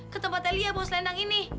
ketempatnya lia pos lendang ini